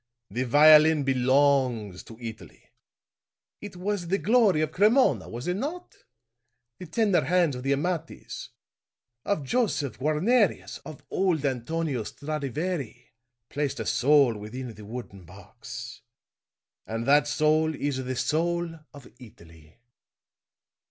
The violin belongs to Italy. It was the glory of Cremona, was it not? The tender hands of the Amatis, of Josef Guarnerius, of old Antonio Stradivari, placed a soul within the wooden box; and that soul is the soul of Italy!"